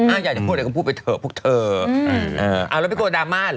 อยากจะพูดอะไรก็พูดไปเถอะพวกเธอเอาแล้วไม่กลัวดราม่าเห